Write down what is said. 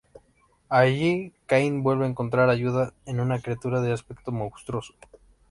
Allí Kain vuelve a encontrar ayuda en una criatura de aspecto monstruoso.